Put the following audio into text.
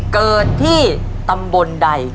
เกิดที่ตำบลใด